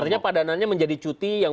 artinya padanannya menjadi cuti yang